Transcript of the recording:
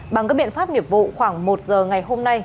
bằng các biện pháp nghiệp vụ khoảng một giờ ngày hôm nay